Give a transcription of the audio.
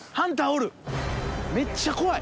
めっちゃ怖い。